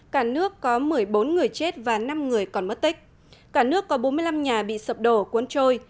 cả nước có một mươi bốn người chết và năm người còn mất tích cả nước có bốn mươi năm nhà bị sập đổ cuốn trôi